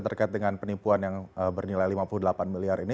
terkait dengan penipuan yang bernilai lima puluh delapan miliar ini